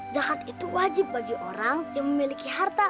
zakat itu wajib bagi orang yang memiliki harta